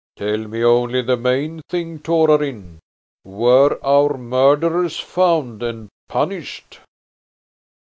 "Tell me only the main thing, Torarin. Were our murderers found and punished?"